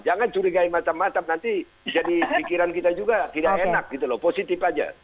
jangan curigai macam macam nanti jadi pikiran kita juga tidak enak gitu loh positif aja